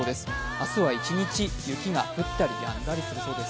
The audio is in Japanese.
明日は一日、雪が降ったりやんだりするそうです。